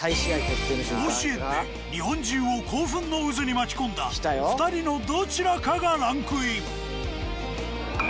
甲子園で日本中を興奮の渦に巻き込んだ２人のどちらかがランクイン。